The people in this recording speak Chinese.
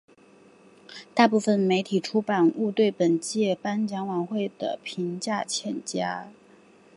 大部分媒体出版物对本届颁奖晚会的评价欠佳。